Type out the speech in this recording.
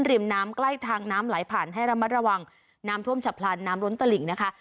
ริมน้ำใกล้ทางน้ำไหลผ่านให้ระมัดระวังน้ำท่วมฉับพลันน้ำล้นตลิ่งนะคะ